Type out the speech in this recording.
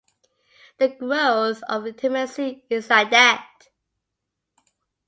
The growth of intimacy is like that.